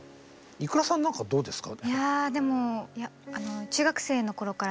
ｉｋｕｒａさんなんかどうですか？